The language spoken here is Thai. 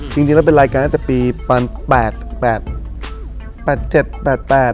จริงแล้วเป็นรายการตั้งแต่ปี๘๗๘๘นะครับ